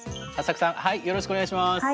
はっさくさんよろしくお願いします。